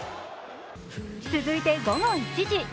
続いて午後１時。